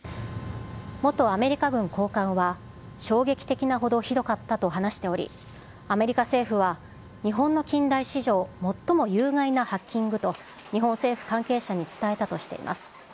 元アメリカ軍高官は衝撃的なほどひどかったと話しており、アメリカ政府は日本の近代史上最も有害なハッキングと、日本政府関係者に伝えたとしています。